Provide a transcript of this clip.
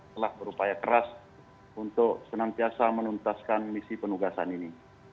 telah berupaya keras untuk senantiasa menuntaskan misi penugasan ini